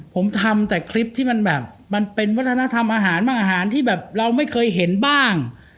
ผมทำแต่คลิปที่มันแบบมันเป็นวัฒนธรรมอาหารบ้างอาหารที่แบบเราไม่เคยเห็นบ้าง